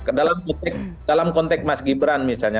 ke dalam konteks mas gibran misalnya